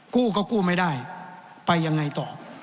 กู้ก็กู้ไม่ได้ไปยังไงต่อ